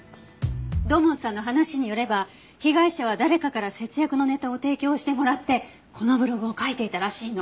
土門さんの話によれば被害者は誰かから節約のネタを提供してもらってこのブログを書いていたらしいの。